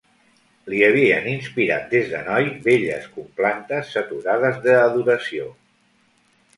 Li havien inspirat des de noi belles complantes saturades de adoració